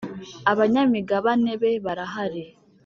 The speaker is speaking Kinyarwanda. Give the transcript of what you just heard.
Abanyamigabane be barahari.